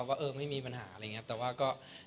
ว่าไม่มีปัญหาอะไรอย่างนี้